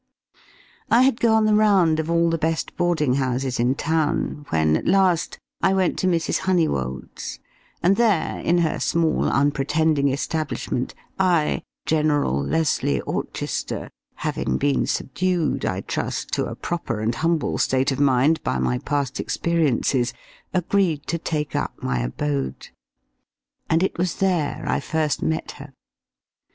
I had gone the round of all the best boarding houses in town, when, at last, I went to Mrs. Honeywold's, and there, in her small, unpretending establishment, I, General Leslie Auchester, having been subdued, I trust, to a proper and humble state of mind by my past experiences, agreed to take up my abode. And it was there I first met her!